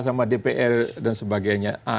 sama dpr dan sebagainya